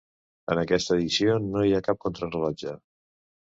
En aquesta edició no hi ha cap contrarellotge.